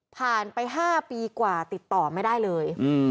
ผ่านไป๕ปีกว่าติดต่อไม่ได้เลย